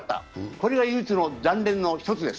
これが唯一の残念の一つです。